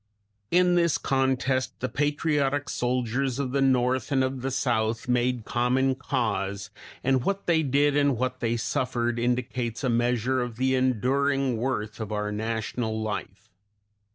In this contest the patriotic soldiers of the north and of the south made common cause, and what they did and what they suffered indicates a measure of the enduring worth of our national life.